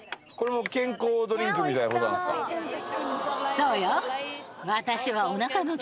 そうよ。